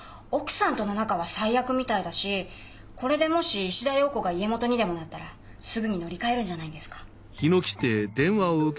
奥さんとの仲は最悪みたいだしこれでもし石田洋子が家元にでもなったらすぐに乗り換えるんじゃないですか。